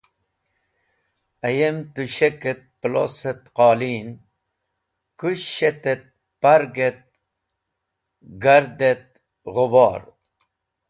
Ayem tushek et plos et qolin kũ shet et parg et gard et ghubor.